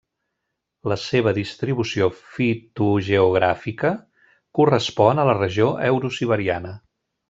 La seva distribució fitogeogràfica correspon a la regió eurosiberiana.